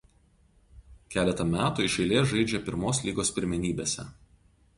Keletą metų iš eilės žaidžia Pirmos lygos pirmenybėse.